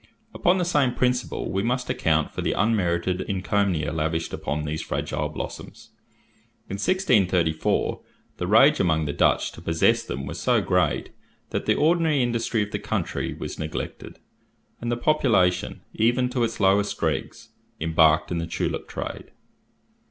Upon the same principle we must account for the unmerited encomia lavished upon these fragile blossoms. In 1634, the rage among the Dutch to possess them was so great that the ordinary industry of the country was neglected, and the population, even to its lowest dregs, embarked in the tulip trade.